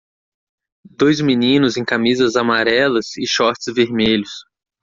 Dois meninos em camisas amarelas e shorts vermelhos.